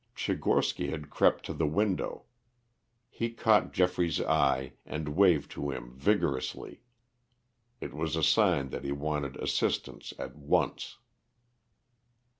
Tchigorsky had crept to the window. He caught Geoffrey's eye and waved to him vigorously. It was a sign that he wanted assistance at once.